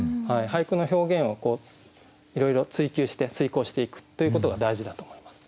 俳句の表現をいろいろ追究して推敲していくということが大事だと思います。